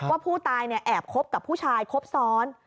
ว่าผู้ตายแอบคบกับผู้ชายครบซ้อน